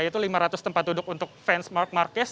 yaitu lima ratus tempat duduk untuk fans mark marquez